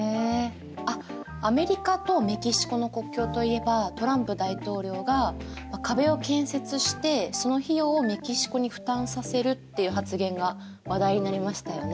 あっアメリカとメキシコの国境といえばトランプ大統領が壁を建設してその費用をメキシコに負担させるっていう発言が話題になりましたよね。